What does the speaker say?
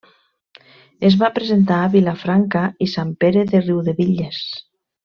Es va presentar a Vilafranca i Sant Pere de Riudebitlles.